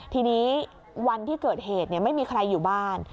ทีนี้วันที่เกิดเหตุไม่มีใครอยู่บ้าน